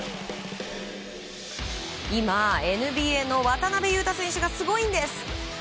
今、ＮＢＡの渡邊雄太選手がすごいんです！